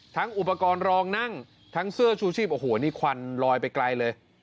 อุปกรณ์รองนั่งทั้งเสื้อชูชีพโอ้โหนี่ควันลอยไปไกลเลย